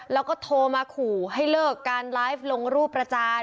แล้วก็โทรมาขู่ให้เลิกการไลฟ์ลงรูปประจาน